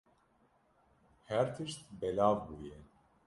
Her tişt belav bûye.